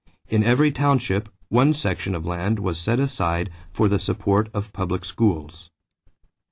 In every township one section of land was set aside for the support of public schools.